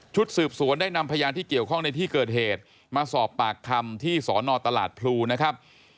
สืบสวนได้นำพยานที่เกี่ยวข้องในที่เกิดเหตุมาสอบปากคำที่สอนอตลาดพลูนะครับ